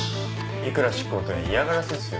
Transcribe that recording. いくら執行とはいえ嫌がらせっすよ。